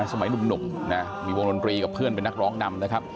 สมัยหนุ่มนะมีวงดนตรีกับเพื่อนเป็นนักร้องนำนะครับ